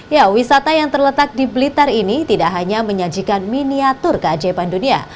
ya wisata yang terletak di blitar ini tidak hanya menyajikan miniatur keajaiban dunia